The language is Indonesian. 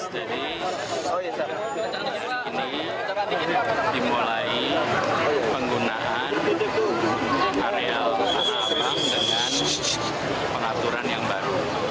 jadi ini dimulai penggunaan areal tanah abang dengan pengaturan yang baru